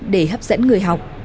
dẫn người học